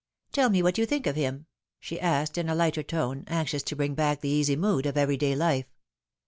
" Tell me what you think of him," she asked in a lighter tone, anxious to bring back the easy mood of every day life.